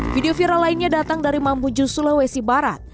video viral lainnya datang dari mamuju sulawesi barat